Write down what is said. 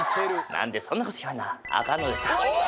「何でそんなこと言われなあかんのですか」